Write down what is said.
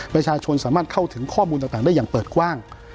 ประชาชนสามารถเข้าถึงข้อมูลต่างได้อย่างเปิดกว้าง